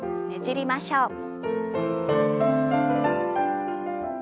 ねじりましょう。